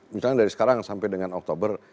misalnya dari sekarang sampai dengan oktober